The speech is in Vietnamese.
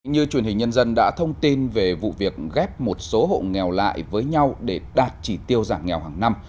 như truyền hình nhân dân đã thông tin về vụ việc ghép một số hộ nghèo lại với nhau để đạt chỉ tiêu giảm nghèo hàng năm